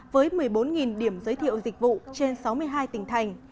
với một mươi bốn điểm giới thiệu dịch vụ trên sáu mươi hai tỉnh thành